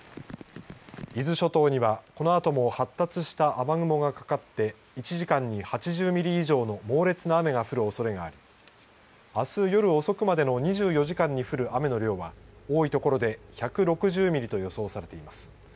伊豆諸島にはこのあとも発達した雨雲がかかって１時間に８０ミリ以上の猛烈な雨が降るおそれがありあす夜遅くまでの２４時間に降る雨の量は多い所で１６０ミリと予想されています。